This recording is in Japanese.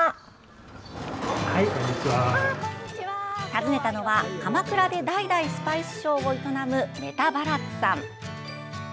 訪ねたのは鎌倉で代々スパイス商を営むメタ・バラッツさん。